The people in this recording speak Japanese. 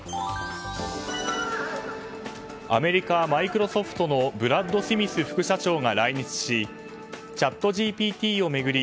アメリカ、マイクロソフトのブラッド・スミス副社長が来日しチャットＧＰＴを巡り